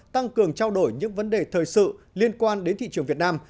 tăng cường trao đổi những vấn đề thời sự liên quan đến thị trường việt nam